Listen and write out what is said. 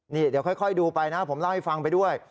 นี่เดี๋ยวค่อยดูไปนะผมเล่าให้ฟังไปด้วย